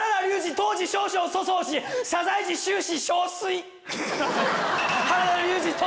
当時少々粗相し謝罪時終始憔悴。